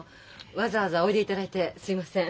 わざわざおいでいただいてすみません。